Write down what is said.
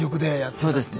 そうですね。